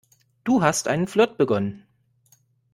Du hast einen Flirt begonnen.